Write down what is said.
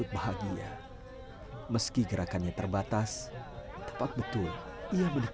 dan menghasilkan beberapaali afinan